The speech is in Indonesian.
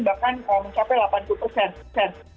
bahkan kalau mencapai delapan puluh persen